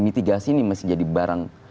mitigasi ini masih jadi barang